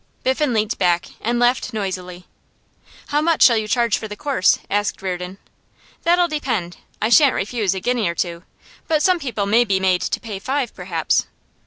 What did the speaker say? Biffen leant back and laughed noisily. 'How much shall you charge for the course?' asked Reardon. 'That'll depend. I shan't refuse a guinea or two; but some people may be made to pay five, perhaps.